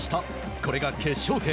これが決勝点。